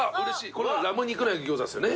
これラム肉の焼き餃子ですよね？